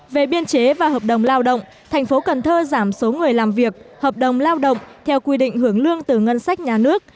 về biên chế và hợp đồng lao động thành phố cần thơ giảm số người làm việc hợp đồng lao động theo quy định hưởng lương từ ngân sách nhà nước